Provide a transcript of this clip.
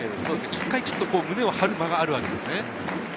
一回、胸を張る間があるわけですね。